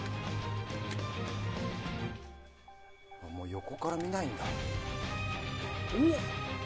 横から見ないんだ。